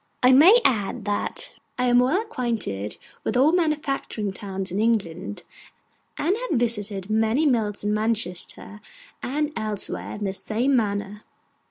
I may add that I am well acquainted with our manufacturing towns in England, and have visited many mills in Manchester and elsewhere in the same manner.